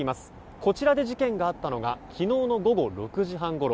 こちらで事件があったのが昨日の午後６時半ごろ。